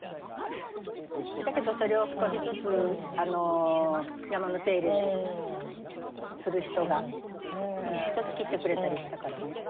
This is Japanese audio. だけどそれを少しずつ山の手入れをする人がちょっと切ってくれたりしたからね。